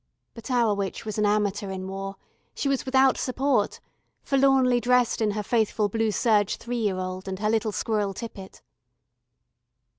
But our witch was an amateur in War, she was without support, forlornly dressed in her faithful blue serge three year old, and her little squirrel tippet.